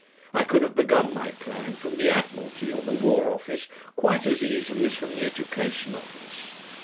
I could have begun my plan from the Admiralty or the War Office quite as easily as from the Education Office.